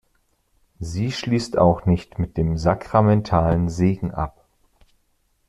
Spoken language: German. Sie schließt auch nicht mit dem sakramentalen Segen ab.